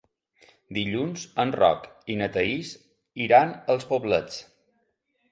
Dilluns en Roc i na Thaís iran als Poblets.